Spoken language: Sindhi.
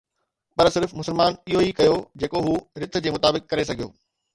پر صرف مسلمان اهو ئي ڪيو جيڪو هو رٿ جي مطابق ڪري سگهيو